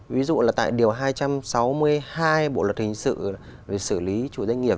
ví dụ là tại điều hai trăm sáu mươi hai bộ luật hình sự về xử lý chủ doanh nghiệp